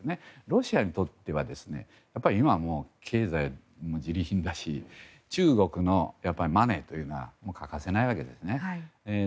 ロシアにとっては今は経済もじり貧だし中国のマネーというのは欠かせないわけですね。